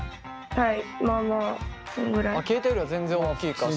はい。